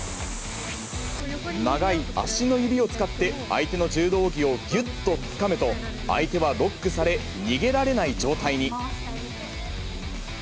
長い足の指を使って、相手の柔道着をぎゅっとつかむと、相手はロックされ、逃げられない状態に。